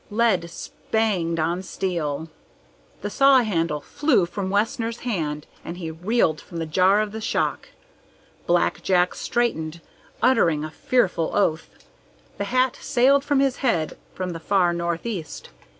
Lead spanged on steel. The saw handle flew from Wessner's hand and he reeled from the jar of the shock. Black Jack straightened, uttering a fearful oath. The hat sailed from his head from the far northeast.